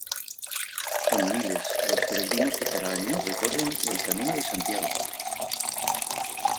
Son miles los peregrinos que cada año recorren el Camino de Santiago.